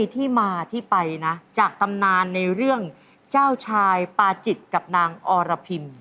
ที่มาที่ไปนะจากตำนานในเรื่องเจ้าชายปาจิตกับนางอรพิม